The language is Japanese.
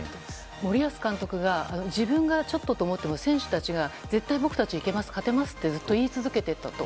森保監督が自分がちょっとと思っても選手たちが絶対僕たちいけます勝てますと言い続けていたと。